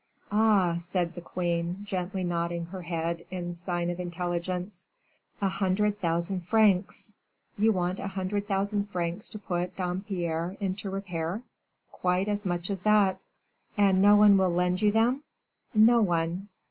"Ah!" said the queen, gently nodding her head in sign of intelligence, "a hundred thousand francs! you want a hundred thousand francs to put Dampierre into repair?" "Quite as much as that." "And no one will lend you them?" "No one."